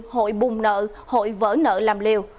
hội bùn nợ hội vỡ nợ làm liều